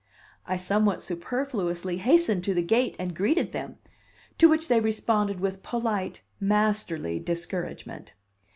I somewhat superfluously hastened to the gate and greeted them, to which they responded with polite, masterly discouragement.